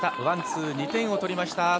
ワンツー、２点を取りました。